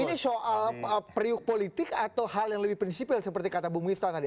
ini soal priuk politik atau hal yang lebih prinsipal seperti kata bu miftah tadi